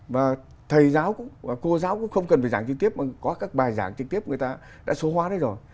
và thầy giáo cũng và cô giáo cũng không cần phải giảng trực tiếp mà có các bài giảng trực tiếp người ta đã số hóa đấy rồi